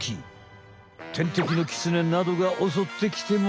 てんてきのキツネなどがおそってきても？